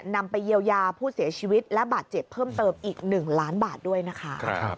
นำไปเยียวยาผู้เสียชีวิตและบาดเจ็บเพิ่มเติมอีก๑ล้านบาทด้วยนะคะ